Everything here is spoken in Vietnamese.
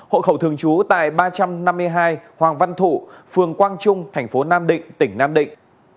hộ khẩu thường trú tại ba trăm năm mươi hai hoàng văn thụ phường quang trung thành phố nam định tỉnh nam định